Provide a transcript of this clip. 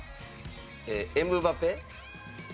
エムバペ。